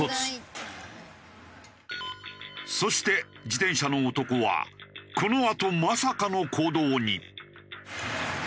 そして自転車の男はこのあとまさかの行動に。